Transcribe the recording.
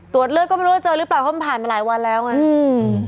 เลือดก็ไม่รู้ว่าเจอหรือเปล่าเพราะมันผ่านมาหลายวันแล้วไงอืม